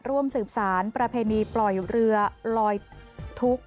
ร่วมสืบสารประเพณีปล่อยเรือลอยทุกข์